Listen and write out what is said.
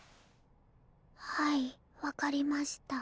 はい分かりました。